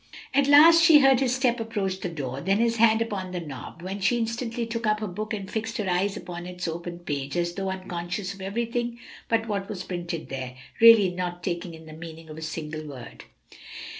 At last she heard his step approach the door, then his hand upon the knob, when she instantly took up her book and fixed her eyes upon its open page, as though unconscious of everything but what was printed there, yet really not taking in the meaning of a single word.